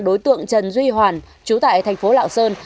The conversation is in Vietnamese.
đối tượng trần duy hoàn chú tại thành phố lạng sơn